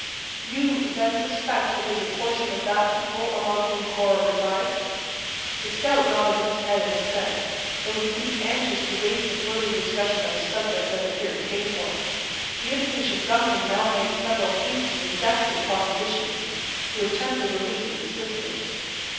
"You, then, suspect it is a portion of that people among whom Cora resides?" The scout nodded his head in assent, though he seemed anxious to waive the further discussion of a subject that appeared painful. The impatient Duncan now made several hasty and desperate propositions to attempt the release of the sisters.